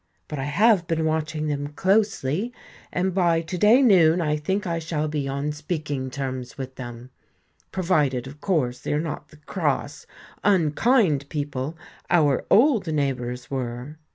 But I have been watching them closely, and by to day noon I think I shall be on speaking terms with them, provided, of course, they are not the cross, unkind people our old neighbors were."